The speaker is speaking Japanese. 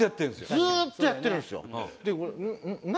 ずっとやってるんですよ。